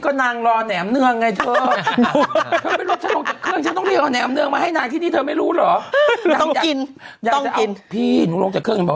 ก็นั่งลอนแหน่มเนื้อไงเธอไม่รู้หรอต้องกินต้องกินหรอ